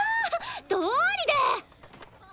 どうりで！